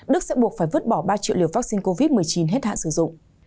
đức sẽ buộc phải vứt bỏ ba triệu liều vaccine covid một mươi chín hết hạn sử dụng